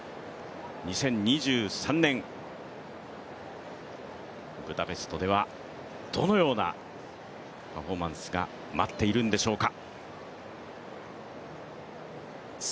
２０２３年、ブダペストではどのようなパフォーマンスが待っているんでしょうか。